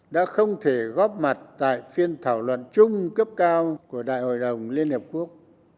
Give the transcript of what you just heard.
đã không thể góp mặt tại phiên thảo luận chung cấp cao của đại hội đồng liên hợp quốc